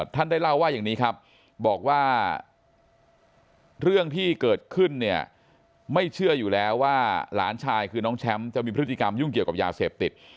ท่านได้เล่าว่าอย่างนี้ครับบอกว่าเรื่องที่เกิดขึ้นเนี่ยไม่เชื่ออยู่แล้วว่าหลานชายคือน้องแชมป์จะมีพฤติกรรมยุ่งเกี่ยวกับยาเสพติด